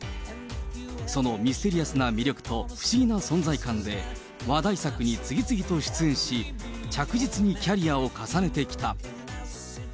そのミステリアスな魅力と不思議な存在感で、話題作に次々と出演し、着実にキャリアを重ねてきた。